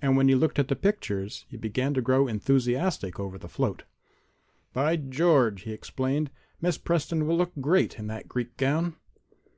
And when he looked at the pictures he began to grow enthusiastic over the float. "By George!" he exclaimed. "Miss Preston will look great in that Greek gown."